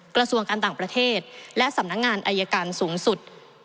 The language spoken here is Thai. กระทรวงการต่างประเทศและสำนักงานอายการสูงสุด